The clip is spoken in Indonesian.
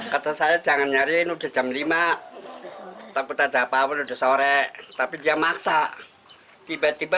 kata saya jangan nyari ini udah jam lima tetap kita capekele desa orek tapi dia maksa tiba tiba